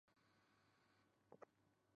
佤德昂语支的分类还不完全确定。